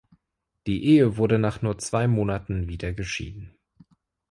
Die Ehe wurde nach nur zwei Monaten wieder geschieden.